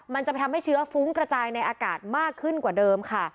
มันจะไปทำให้เชื้อฟุ้งกระจายในอากาศมากขึ้นกว่าเดิมค่ะ